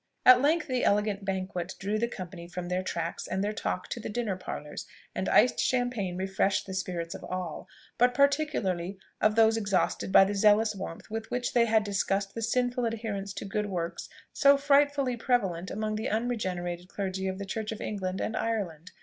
At length the elegant banquet drew the company from their tracts and their talk to the dinner parlour; and iced champagne refreshed the spirits of all, but particularly of those exhausted by the zealous warmth with which they had discussed the sinful adherence to good works so frightfully prevalent among the unregenerated clergy of the Church of England and Ireland.